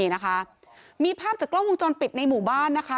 นี่นะคะมีภาพจากกล้องวงจรปิดในหมู่บ้านนะคะ